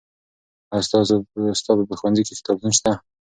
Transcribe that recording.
آیا ستا په ښوونځي کې کتابتون شته؟